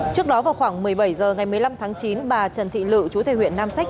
trước đó vào khoảng một mươi bảy h ngày một mươi năm tháng chín bà trần thị lự chú thệ huyện nam sách